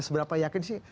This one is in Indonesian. seberapa yakin sih